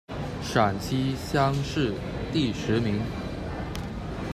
陕西乡试第十名。